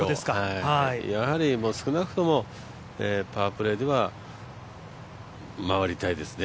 やはり少なくともパープレーでは回りたいですね。